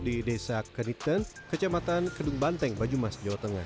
saya mengajak anda ke perajin beduk di desa keniten kecamatan kedung banteng banyumas jawa tengah